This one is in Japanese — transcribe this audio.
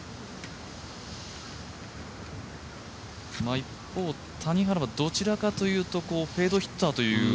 一方、谷原はどちらかというとフェードヒッターという。